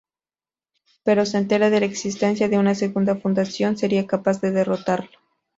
Pero se entere de la existencia de una Segunda Fundación sería capaz de derrotarlo.